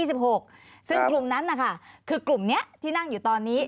ซึ่งกลุ่มนั้นนะคะคือกลุ่มนี้ที่นั่งอยู่ตอนนี้